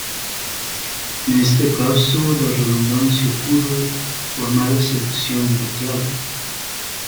En este caso la redundancia ocurre por mala selección de clave.